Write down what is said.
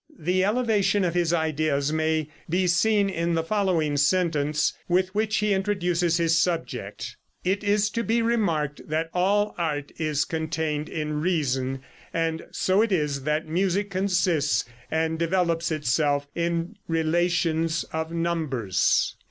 The elevation of his ideas may be seen in the following sentence, with which he introduces his subject: "It is to be remarked that all art is contained in reason; and so it is that music consists and develops itself in relations of numbers."